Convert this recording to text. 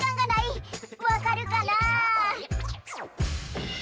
わかるかな？